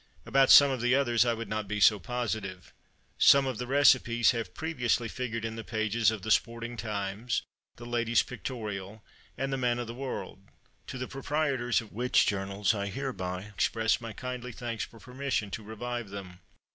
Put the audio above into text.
About some of the others I would not be so positive. Some of the recipes have previously figured in the pages of the Sporting Times, the Lady's Pictorial, and the Man of the World, to the proprietors of which journals I hereby express my kindly thanks for permission to revive them.